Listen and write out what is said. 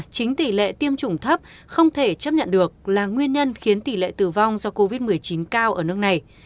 chính tỷ lệ tiêm chủng thấp không thể chấp nhận được là nguyên nhân khiến tỷ lệ tử vong do covid một mươi chín cao ở nước này